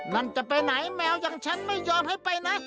นั่นจะไปไหนแมวอย่างฉันไม่ยอมให้ไปนะ